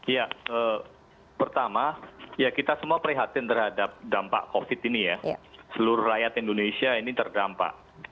ya pertama ya kita semua prihatin terhadap dampak covid ini ya seluruh rakyat indonesia ini terdampak